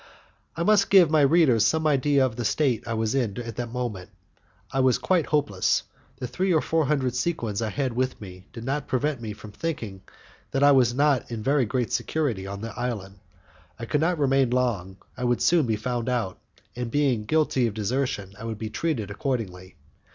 I must give my readers some idea of the state I was in at that moment. I was quietly hopeless. The three or four hundred sequins I had with me did not prevent me from thinking that I was not in very great security on the island; I could not remain long, I would soon be found out, and, being guilty of desertion, I should be treated accordingly.